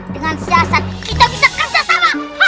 dengan siasat kita bisa kerjasama